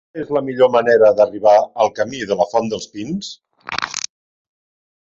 Quina és la millor manera d'arribar al camí de la Font dels Pins?